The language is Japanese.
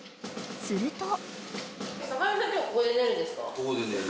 ［すると］